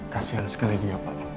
kasian sekali dia pak